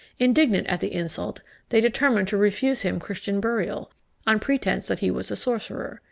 Indignant at the insult, they determined to refuse him Christian burial, on pretence that he was a sorcerer.